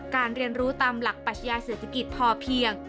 เรียนรู้ตามหลักปัชญาเศรษฐกิจพอเพียง